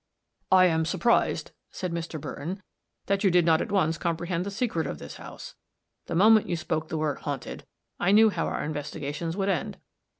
"I am surprised," said Mr. Burton, "that you did not at once comprehend the secret of this house. The moment you spoke the word 'haunted,' I knew how our investigations would end.